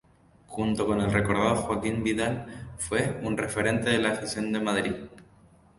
Junto con el recordado Joaquín Vidal, fue un referente de la afición de Madrid.